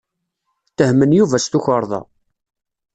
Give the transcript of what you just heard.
Ttehmen Yuba s tukerḍa.